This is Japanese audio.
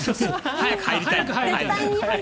早く入りたいんだ。